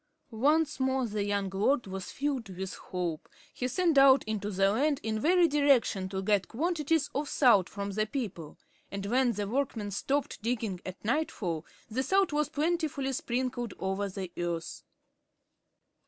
Once more the young lord was filled with hope. He sent out into the land in every direction to get quantities of salt from the people. And when the workmen stopped digging at nightfall, the salt was plentifully sprinkled over the earth.